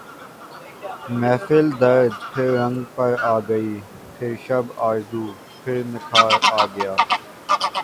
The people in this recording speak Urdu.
محفل درد پھر رنگ پر آ گئی پھر شب آرزو پر نکھار آ گیا